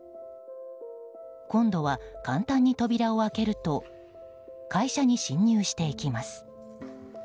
今度は簡単に扉を開けると会社に侵入していきます。